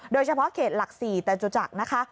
โดยเฉพาะเขตหลัก๔จตุจักรนะคะ